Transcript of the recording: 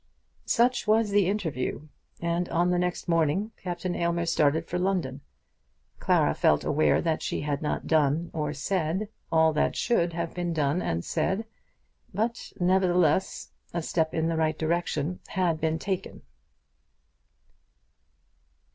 Such was the interview; and on the next morning Captain Aylmer started for London. Clara felt aware that she had not done or said all that should have been done and said; but, nevertheless, a step in the right direction had been taken.